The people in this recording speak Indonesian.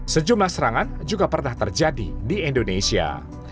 sejumlah serangan juga pernah terjadi di indonesia